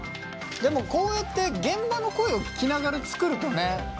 でもこうやって現場の声を聞きながら作るとね